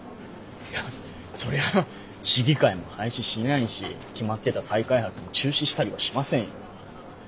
いやそりゃ市議会も廃止しないし決まってた再開発も中止したりはしませんよ。